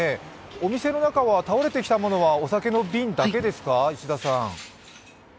お店の中は倒れてきたものはお酒の瓶だけですか？